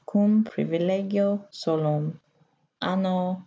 Cum privilegio solum. Anno M.